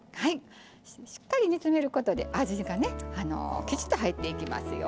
しっかり煮詰めることで味がねきちっと入っていきますよ。